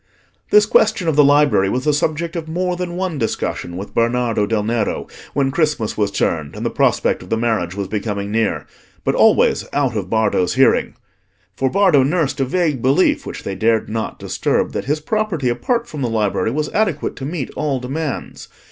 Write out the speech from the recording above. This question of the library was the subject of more than one discussion with Bernardo del Nero when Christmas was turned and the prospect of the marriage was becoming near—but always out of Bardo's hearing. For Bardo nursed a vague belief, which they dared not disturb, that his property, apart from the library, was adequate to meet all demands.